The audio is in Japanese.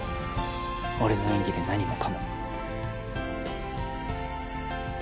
俺の演技で何もかも。